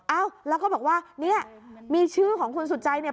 เอ้าแล้วก็บอกว่าเนี่ยมีชื่อของคุณสุจัยเนี่ย